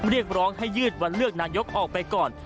เรียกร้องให้ยืดวันเลือกนายกออกไปก่อน